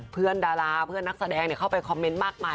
เพื่อนดาราเพื่อนนักแสดงเนี้ยเข้าไปคอมเมนต์มากมาย